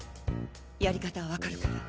やり方はわかるから。